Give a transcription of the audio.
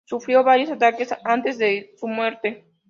Sufrió varios ataques antes de su muerte.